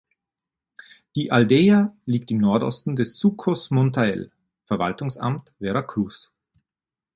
Die Aldeia liegt im Nordosten des Sucos Motael (Verwaltungsamt Vera Cruz).